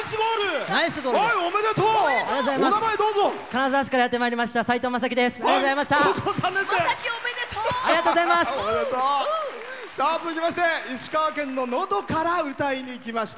金沢市からやってまいりましたさいとうです。